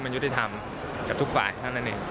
มันยุติธรรมกับทุกฝ่ายหน้านั้นหนึ่ง